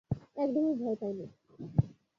একদমই ভয় পাইনি।